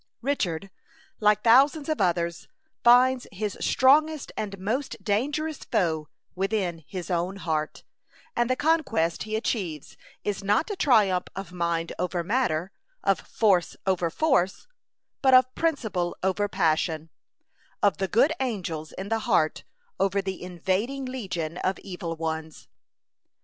Richard, like thousands of others, finds his strongest and most dangerous foe within his own heart; and the conquest he achieves is not a triumph of mind over matter, of force over force, but of principle over passion, of the good angels in the heart over the invading legion of evil ones.